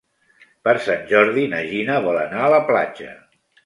Per Sant Jordi na Gina vol anar a la platja.